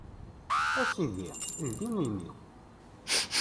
A Sidi! Ldi imi-w.